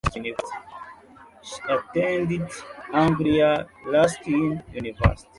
She attended Anglia Ruskin University.